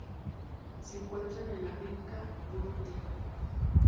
Se encuentran en África: Burundi.